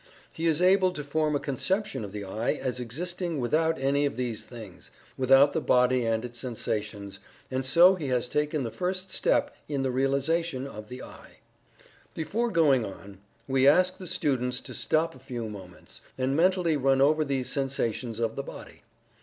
He is able to form a conception of the "I" as existing without any of these things without the body and its sensations and so he has taken the first step in the realization of the "I." Before going on, we ask the students to stop a few moments, and mentally run over these sensations of the body.